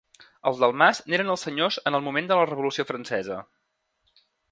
Els Delmàs n'eren senyors en el moment de la Revolució Francesa.